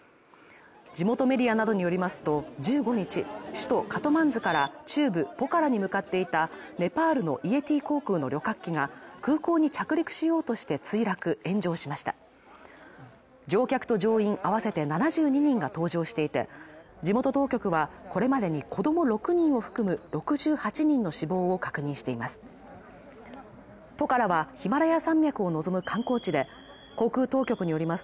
地元メディアなどによりますと１５日首都カトマンズから中部ポカラに向かっていたネパールのイエティ航空の旅客機が空港に着陸しようとして墜落、炎上しました乗客と乗員合わせて７２人が搭乗していて地元当局はこれまでに子ども６人を含む６８人の死亡を確認しています